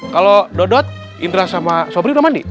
kalau dodot indra sama sobri udah mandi